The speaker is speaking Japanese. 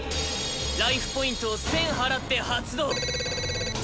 ライフポイントを１０００払って発動。